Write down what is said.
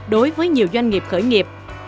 đối với nhiều doanh nghiệp khởi nghiệp